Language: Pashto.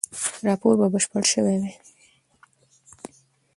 راپور به بشپړ شوی وي.